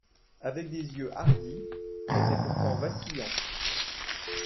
Avec des yeux hardis, il était pourtant vacillant.